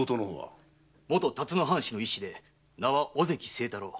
元龍野藩士の一子で名は小関清太郎。